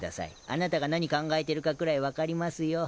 あなたが何考えてるかくらい分かりますよ。